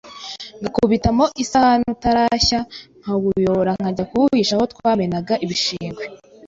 ngakubitamo isahani utarashya, nkawuyora nkajya kuwuhisha aho twamenaga ibishingiywe